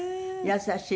優しい。